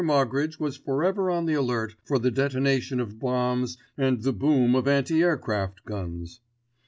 Moggridge was forever on the alert for the detonation of bombs and the boom of anti aircraft guns.